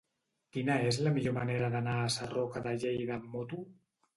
Quina és la millor manera d'anar a Sarroca de Lleida amb moto?